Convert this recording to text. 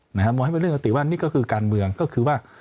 มองให้เป็นเรื่องปกติว่านี่ก็คือการเมืองก็คือว่า